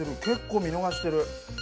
結構見逃してる。